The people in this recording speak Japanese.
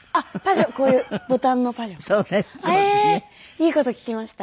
いい事聞きました。